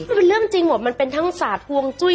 มันเป็นเรื่องจริงหมดมันเป็นทั้งศาสตร์ฮวงจุ้ย